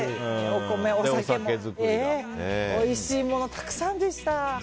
お米、お酒もおいしいものたくさんでした。